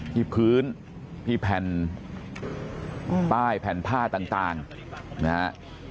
ที่พื้นที่แผ่นป้ายแผ่นผ้าต่างนะฮะ